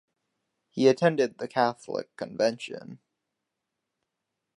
He attended the Catholic Convention.